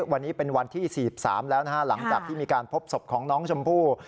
วันนี้เป็นวันที่๔๓แล้วนะฮะหลังจากที่มีการพบศพของน้องชมพู่